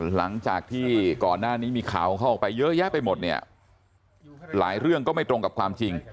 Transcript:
หลังจากที่ก่อนหน้านี้มีข่าวเข้าไปเยอะแยะไปหมดเนี่ยหลายเรื่องก็ไม่ตรงกับความจริง